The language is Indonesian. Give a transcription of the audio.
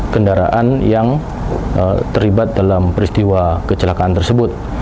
kendaraan yang terlibat dalam peristiwa kecelakaan tersebut